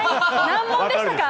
難問でしたか？